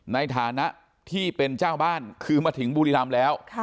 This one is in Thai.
ในฐานะที่เป็นเจ้าบ้านคือมาถึงบุรีรำแล้ว